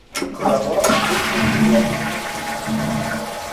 Collaborò anche con "Nuova Antologia".